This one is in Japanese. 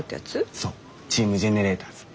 そうチーム・ジェネレーターズ。